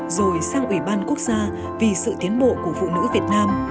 rồi sang ủy ban quốc gia vì sự tiến bộ của phụ nữ việt nam